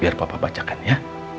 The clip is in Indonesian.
biar papa bacakan ya